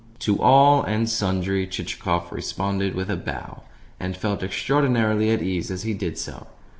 To all and sundry Chichikov responded with a bow, and felt extraordinarily at his ease as he did so.